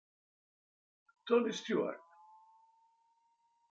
Tony Stewart